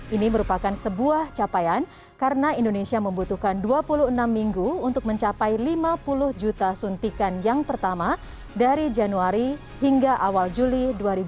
ini merupakan sebuah capaian karena indonesia membutuhkan dua puluh enam minggu untuk mencapai lima puluh juta suntikan yang pertama dari januari hingga awal juli dua ribu dua puluh